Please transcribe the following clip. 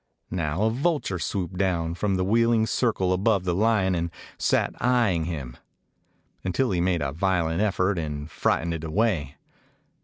Now a vulture swooped down from the wheel ing circle above the lion and sat eying him, until he made a violent effort and frightened it away.